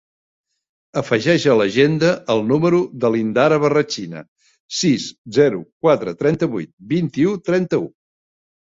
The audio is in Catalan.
Afegeix a l'agenda el número de l'Indara Barrachina: sis, zero, quatre, trenta-vuit, vint-i-u, trenta-u.